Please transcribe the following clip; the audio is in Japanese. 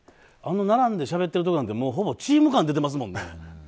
並んでしゃべってるとこなんてもうほぼチーム感出ていますよね。